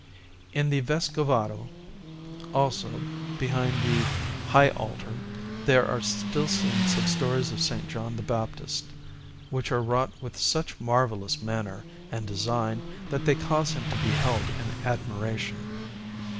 In the Vescovado, also, behind the high altar, there are still seen some stories of S. John the Baptist, which are wrought with such marvellous manner and design that they cause him to be held in admiration.